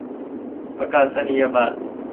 ประกาศนียบัตร